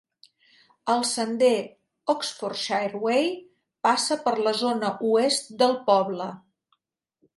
El sender Oxfordshire Way passa per la zona oest del poble.